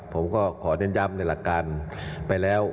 ผมก็ขอเน้นย้ำในหลักการไปแล้ว